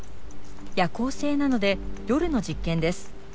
夜行性なので夜の実験です。